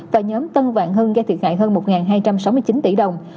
và nhóm tân vạn hưng gây thiệt hại hơn một hai trăm sáu mươi chín tỷ đồng